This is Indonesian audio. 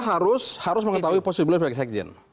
kita harus mengetahui posibilitas sebagai sekjen